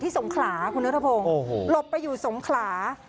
สงขลาคุณนัทพงศ์หลบไปอยู่สงขลา